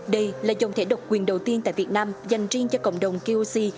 đây là dòng thẻ độc quyền đầu tiên tại việt nam dành riêng cho cộng đồng koc